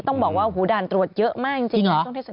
ต้องบอกว่าหูด่านตรวจเยอะมากจริงค่ะ